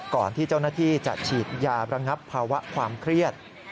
ก่อนที่เจ้าหน้าที่จะฉีดยาระงับภาวะความเครียด